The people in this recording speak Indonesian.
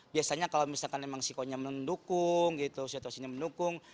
biasanya kalau misalkan emang sikonnya mendukung gitu situasinya mendukung